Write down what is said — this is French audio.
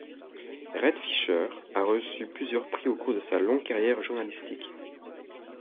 Red Fisher a aussi reçu plusieurs prix au cours de sa longue carrière journalistique.